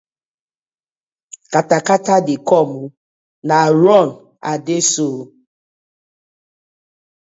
Katakata dey com ooo, na run I dey so ooo.